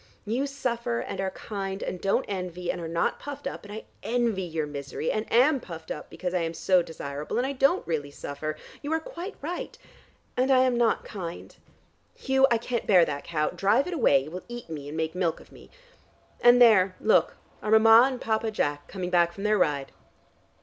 You suffer and are kind, and don't envy, and are not puffed up, and I envy your misery, and am puffed up because I am so desirable, and I don't really suffer you are quite right and I am not kind. Hugh, I can't bear that cow, drive it away, it will eat me and make milk of me. And there, look, are Mama and Papa Jack, coming back from their ride.